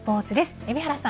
海老原さん